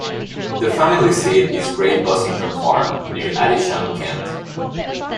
The family seat is Great Bossington Farm, near Adisham, Kent.